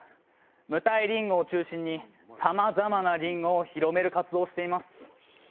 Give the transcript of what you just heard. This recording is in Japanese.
無袋りんごを中心にさまざまなりんごを広める活動をしています。